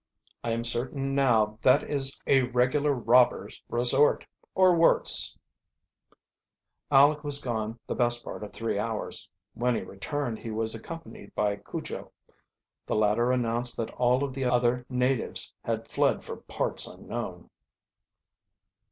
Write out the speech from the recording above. "I am certain now that is a regular robbers' resort, or worse." Aleck was gone the best part of three hours. When he returned he was accompanied by Cujo. The latter announced that all of the other natives had fled for parts unknown.